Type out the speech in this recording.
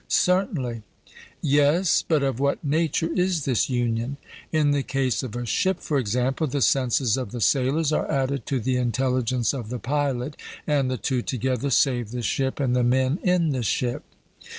'Certainly.' Yes; but of what nature is this union? In the case of a ship, for example, the senses of the sailors are added to the intelligence of the pilot, and the two together save the ship and the men in the ship.